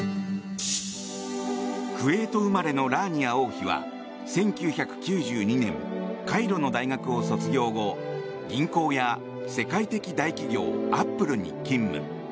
クウェート生まれのラーニア王妃は１９９２年カイロの大学を卒業後銀行や世界的大企業アップルに勤務。